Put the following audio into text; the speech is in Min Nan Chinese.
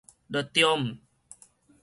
就著毋